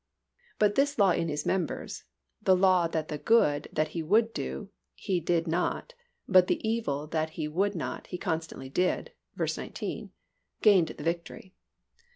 But this law in his members (the law that the good that he would do, he did not, but the evil that he would not he constantly did, v. 19) gained the victory.